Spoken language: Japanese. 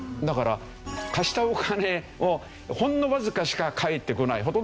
だから貸したお金をほんのわずかしか返ってこない。